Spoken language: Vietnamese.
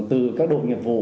từ các đội nghiệp vụ